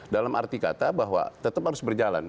dalam arti kata bahwa tetap harus berjalan